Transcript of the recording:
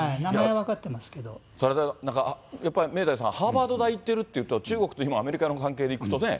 なんかやっぱり、明大さん、ハーバード大行ってるっていうと、中国と今アメリカの関係でいくとね。